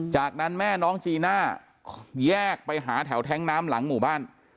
จากนั้นแม่น้องจีน่าแยกไปหาแถวแท้งน้ำหลังหมู่บ้าน